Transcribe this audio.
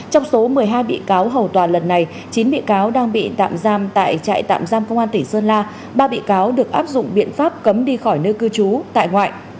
trong số một mươi hai bị cáo hầu tòa lần này chín bị cáo đang bị tạm giam tại trại tạm giam công an tỉnh sơn la ba bị cáo được áp dụng biện pháp cấm đi khỏi nơi cư trú tại ngoại